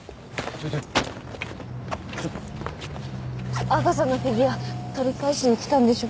ちょちょちょっとアガサのフィギュア取り返しにきたんでしょ？